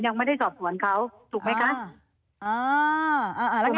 ยังไม่ได้สอบส่วนเขาถูกไหมคะอ่าอ่าอ่า